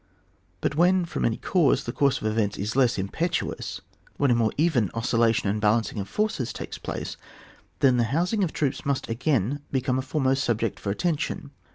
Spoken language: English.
But when from any cause the course of events is less impetuous, when a more even oscillation and balancing of forces takes place, then the housing of troops must again become a foremost subject for attention.